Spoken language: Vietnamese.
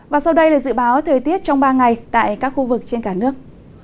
và sau đây là dự báo thời tiết trong ba ngày tại các khu vực trên cả nước